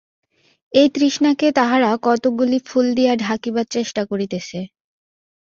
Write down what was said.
এই তৃষ্ণাকে তাহারা কতকগুলি ফুল দিয়া ঢাকিবার চেষ্টা করিতেছে।